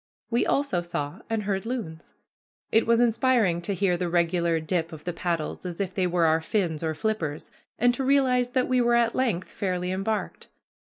We also saw and heard loons. It was inspiriting to hear the regular dip of the paddles, as if they were our fins or flippers, and to realize that we were at length fairly embarked.